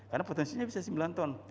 karena potensinya bisa sembilan tahun